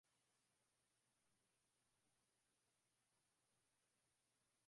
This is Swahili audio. Ambako kulitazamwa na Wajerumani kama eneo lao